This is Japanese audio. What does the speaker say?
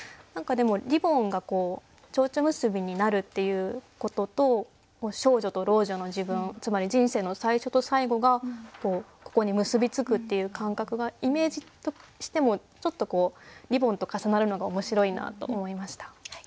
でもリボンがこう蝶々結びになるっていうことと少女と老女の自分つまり人生の最初と最後がここに結び付くっていう感覚がイメージとしてもちょっとこうリボンと重なるのが面白いなと思いました。